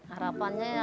harapannya ya kalau bisa